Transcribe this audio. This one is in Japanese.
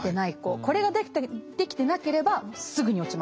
これができてなければすぐに落ちます。